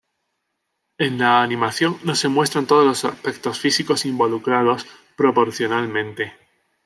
En la animación no se muestran todos los aspectos físicos involucrados proporcionalmente.